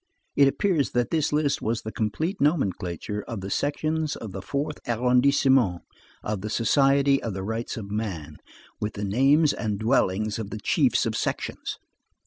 It appears that this list was the complete nomenclature of the sections of the fourth arondissement of the Society of the Rights of Man, with the names and dwellings of the chiefs of sections.